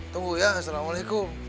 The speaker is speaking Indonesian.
tunggu ya assalamualaikum